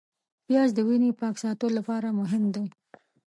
پیاز د وینې پاک ساتلو لپاره مهم دی